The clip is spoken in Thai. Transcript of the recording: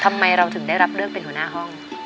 ทำไมเราถึงได้รับเลือกเป็นหัวหน้าห้อง